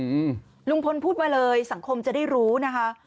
บอสวัสดิ์พลตมาเลยสังคมจะได้รู้นะครับ